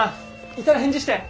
いたら返事して！